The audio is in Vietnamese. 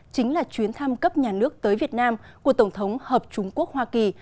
chính là chuyến thăm cấp nhà nước tới việt nam của tổng thống hợp trung quốc hoa kỳ